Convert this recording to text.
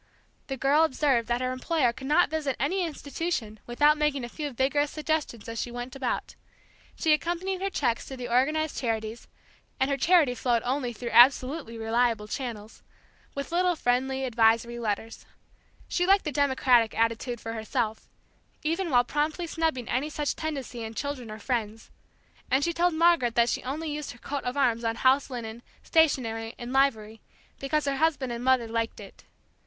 The girl observed that her employer could not visit any institution without making a few vigorous suggestions as she went about, she accompanied her cheques to the organized charities and her charity flowed only through absolutely reliable channels with little friendly, advisory letters. She liked the democratic attitude for herself, even while promptly snubbing any such tendency in children or friends; and told Margaret that she only used her coat of arms on house linen, stationery, and livery, because her husband and mother liked it.